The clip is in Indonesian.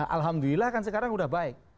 alhamdulillah kan sekarang sudah baik